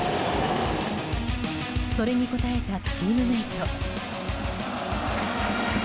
それに応えたチームメート。